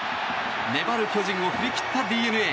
粘る巨人を振り切ったＤｅＮＡ。